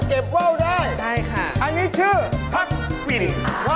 เก็บเว้าได้ใช่ค่ะอันนี้ชื่อภักดิ์วิริค